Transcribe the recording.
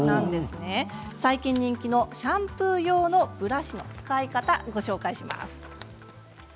最近人気のシャンプー用のブラシの使い方をご紹介します。